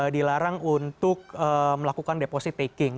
dilarang untuk melakukan deposit taking